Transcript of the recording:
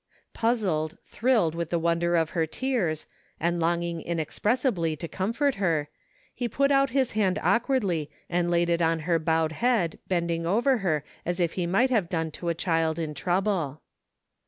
Puzzled, thrilled with the wonder of her tears, and longing inexpressibly to comfort her, he put out his hand awkwardly and laid it on her bowed head bending over her as he might have done to a child in trouble.